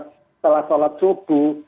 setelah sholat subuh